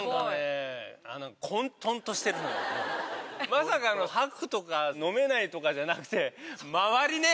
まさかの吐くとか飲めないとかじゃなくて周りね。